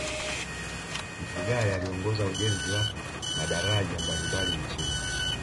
mfugale aliongoza ujenzi wa madaraja mbalimbali nchini